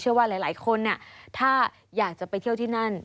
ว่าหลายคนถ้าอยากจะไปเที่ยวที่นั่น